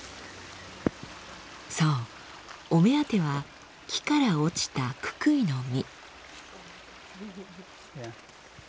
そうお目当ては木から落ちたククイの実。